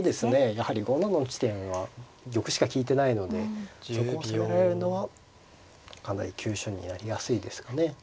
やはり５七の地点は玉しか利いてないのでそこを攻められるのはかなり急所になりやすいですかね。